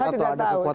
saya tidak tahu